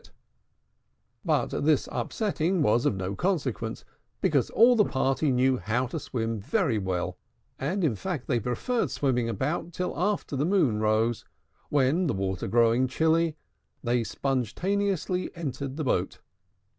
But this upsetting was of no consequence, because all the party knew how to swim very well: and, in fact, they preferred swimming about till after the moon rose; when, the water growing chilly, they sponge taneously entered the boat.